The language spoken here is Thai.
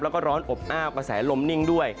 แล้วก็ร้อนอบอ้าวกระแสลมนิ่งด้วย